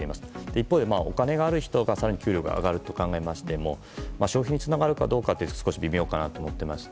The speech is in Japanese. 一方でお金がある人が更に給与が上がると考えましても消費につながるかは少し微妙かなと思ってまして。